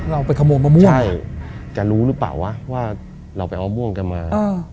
เราไปขโมยมะม่วงใช่จะรู้หรือเปล่าวะว่าเราไปเอาม่วงกันมา